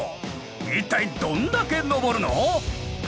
一体どんだけ上るの⁉